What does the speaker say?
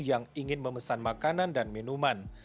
yang ingin memesan makanan dan minuman